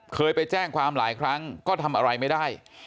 เคยไปแจ้งความหลายครั้งก็ทำอะไรไม่ได้